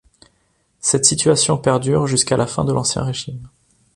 Cette situation perdure jusqu'à la fin de l'Ancien Régime.